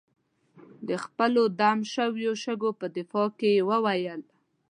د خپلو دم شوو شګو په دفاع کې یې وویل.